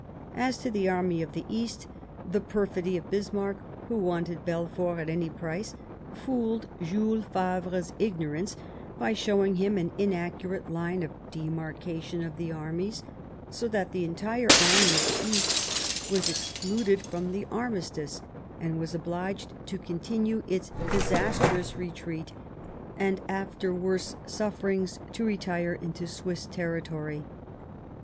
As to the Army of the East, the perfidy of Bismarck, who wanted Belfort at any price, fooled Jules Favre's ignorance by showing him an inaccurate line of demarcation of the armies, so that the entire Army of the East was excluded from the armistice and was obliged to continue its disastrous retreat, and, after worse sufferings, to retire into Swiss territory.